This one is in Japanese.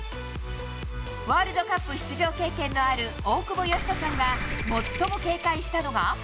ワールドカップ出場経験のある大久保嘉人さんが最も警戒したのが。